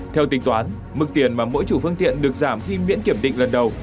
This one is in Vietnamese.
theo tính toán mức tiền mà mỗi chủ phương tiện được giảm khi miễn kiểm định lần đầu